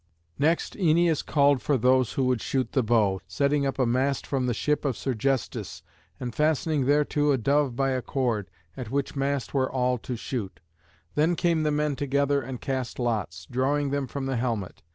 [Illustration: ENTELLUS KILLING THE BULL.] Next Æneas called for those who would shoot with the bow, setting up a mast from the ship of Sergestus, and fastening thereto a dove by a cord, at which mast were all to shoot. Then came the men together and cast lots, drawing them from the helmet.